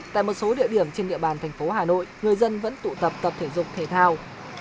tại một số địa điểm trên địa bàn thành phố hà nội người dân vẫn tụ tập thể dục thể thao